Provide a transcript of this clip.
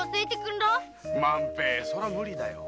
そりゃ無理だよ。